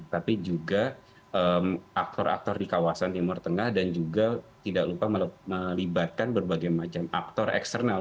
tapi juga aktor aktor di kawasan timur tengah dan juga tidak lupa melibatkan berbagai macam aktor eksternal